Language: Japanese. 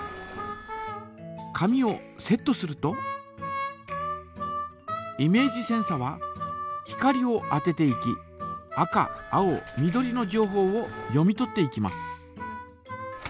紙をセットするとイメージセンサは光を当てていき赤青緑のじょうほうを読み取っていきます。